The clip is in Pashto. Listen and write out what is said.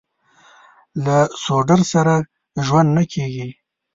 له سوډرسره ژوند نه کېږي.